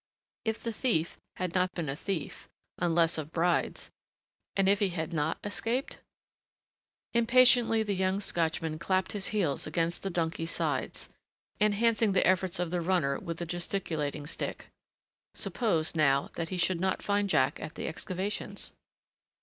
If the thief had not been a thief unless of brides! and if he had not escaped ? Impatiently the young Scotchman clapped his heels against the donkey's sides, enhancing the efforts of the runner with the gesticulating stick. Suppose, now, that he should not find Jack at the excavations?